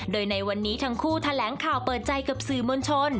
โดยในวันนี้ทั้งคู่แถลงข่าวเปิดใจกับสื่อมวลชน